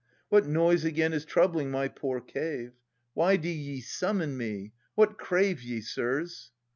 What noise again is troubling my poor cave? Why do ye summon me? What crave ye, sirs?